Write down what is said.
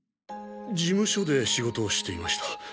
事務所で仕事をしていました。